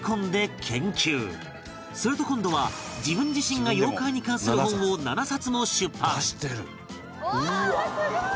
すると今度は自分自身が妖怪に関する本を７冊も出版「出してる！」